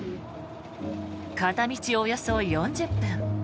片道およそ４０分。